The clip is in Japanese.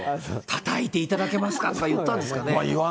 たたいていただけますかとか言ったんですかね。